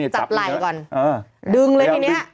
จับไหล่ก่อนดึงเลยทีเนี่ย